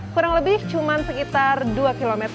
kurang lebih cuma sekitar dua km